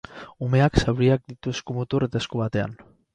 Umeak zauriak ditu eskumutur eta esku batean.